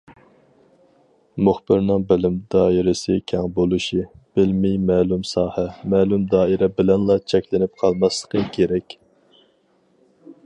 مۇخبىرنىڭ بىلىم دائىرىسى كەڭ بولۇشى، بىلىمى مەلۇم ساھە، مەلۇم دائىرە بىلەنلا چەكلىنىپ قالماسلىقى كېرەك.